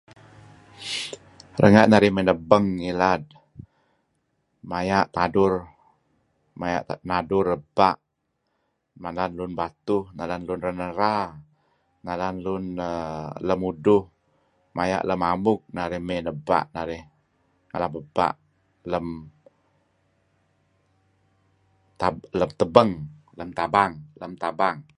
Renga' narih mey nepbeng ngilad maya' tadur ebpa' , nalan luun batuh, nalan luun renera, nalan luun[err] lem uduh maya' lem amug narih mey nebpa' ngalap ebpa' lem tebeng, lem tabang lem tabang.